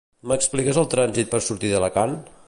M'expliques el trànsit per sortir d'Alacant?